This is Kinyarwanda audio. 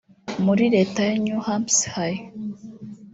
muri Leta ya New Hampshire